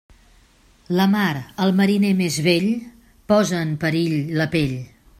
La mar, al mariner més vell, posa en perill la pell.